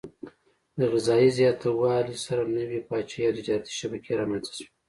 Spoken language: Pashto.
د غذايي زیاتوالي سره نوي پاچاهي او تجارتي شبکې رامنځته شوې.